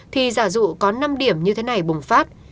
thì giả dụ có năm điểm như thế này bùng phát